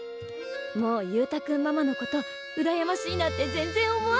もう勇太君ママのことうらやましいなんて全然思わない。